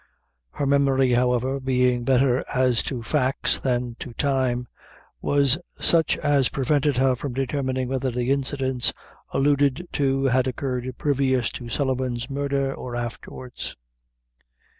Her memory, however, being better as to facts than to time, was such as prevented her from determining whether the incidents alluded to had occurred previous to Sullivan's murder, or afterwards.